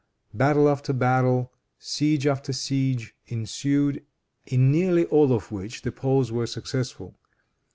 Battle after battle, siege after siege ensued, in nearly all of which the Poles were successful.